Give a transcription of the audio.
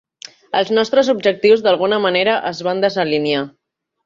Els nostres objectius d'alguna manera es van desalinear.